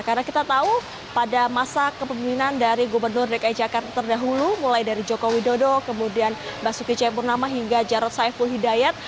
karena kita tahu pada masa kepemimpinan dari gubernur dki jakarta terdahulu mulai dari joko widodo kemudian basuki cepurnama hingga jarod saiful hidayat